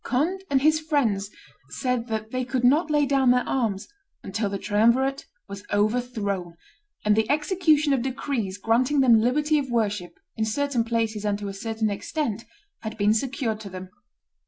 Conde and his friends said that they could not lay down their arms until the triumvirate was overthrown, and the execution of decrees granting them liberty of worship, in certain places and to a certain extent, had been secured to them.